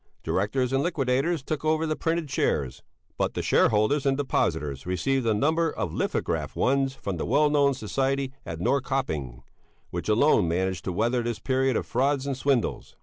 Directors and liquidators took over the printed shares, but the shareholders and depositors received a number of lithographed ones from the well known society at Norrköping, which alone managed to weather this period of frauds and swindles.